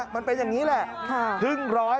มันเป็นอย่างนี้แหละครึ่งร้อย